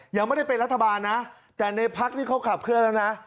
ยังไม่ได้เป็นรัฐบาลนะแต่ในพักนี่เขาขับเคลื่อนแล้วนะ